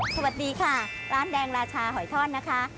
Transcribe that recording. สวัสดีค่ะร้านแดงราชาหอยท่อนนะคะ